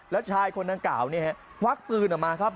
และชายคนหนังเก่าควักปืนออกมาครับ